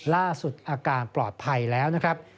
ล่าสุดอาการปลอดภัยแล้วนะครับ